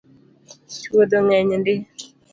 Chwodho ng’eny ndii